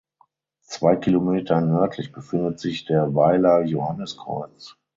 Zwei Kilometer nördlich befindet sich der Weiler Johanniskreuz.